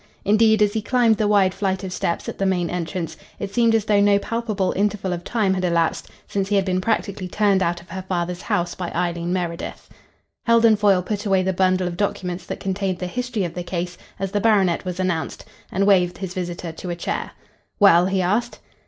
Indeed, as he climbed the wide flight of steps at the main entrance, it seemed as though no palpable interval of time had elapsed since he had been practically turned out of her father's house by Eileen Meredith. Heldon Foyle put away the bundle of documents that contained the history of the case as the baronet was announced, and waved his visitor to a chair. "Well?" he asked.